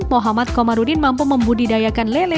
muhammad komarudin mampu membudidayakan lele